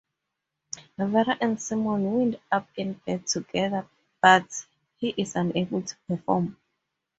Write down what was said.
Vera and Simon wind up in bed together but he is unable to perform.